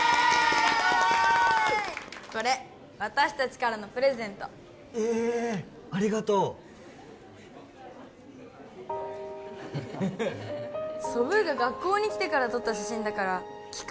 これ私達からのプレゼントええありがとうソブーが学校に来てから撮った写真だから期間